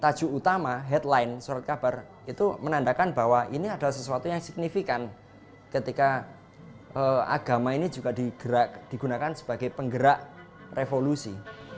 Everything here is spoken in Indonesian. tajuh utama headline surat kabar itu menandakan bahwa ini adalah sesuatu yang signifikan ketika agama ini juga digunakan sebagai penggerak revolusi